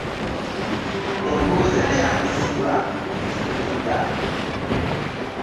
Embugo zeeyambisibwa mu kusumikira.